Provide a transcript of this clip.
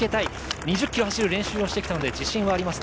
２０ｋｍ走る練習をしてきたので自信はありますと。